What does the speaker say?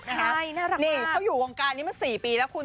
ใช่น่ารักนี่เขาอยู่วงการนี้มา๔ปีแล้วคุณ